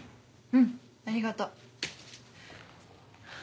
うんありがとう。